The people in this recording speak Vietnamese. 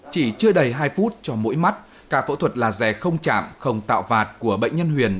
chỉ chưa đầy hai phút cho mỗi mắt ca phẫu thuật laser không chạm không tạo vạt của bệnh nhân huyền